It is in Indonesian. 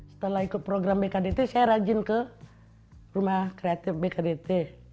setelah ikut program bkdt saya rajin ke rumah kreatif bkdt